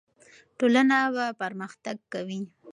ټولنه به پرمختګ کوي.